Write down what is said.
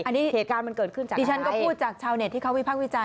อันนี้เหตุการณ์มันเกิดขึ้นจากดิฉันก็พูดจากชาวเน็ตที่เขาวิพากษ์วิจารณ